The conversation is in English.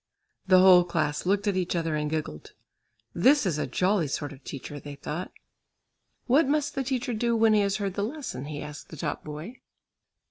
The whole class looked at each other and giggled. "This is a jolly sort of teacher," they thought. "What must the teacher do when he has heard the lesson?" he asked the top boy.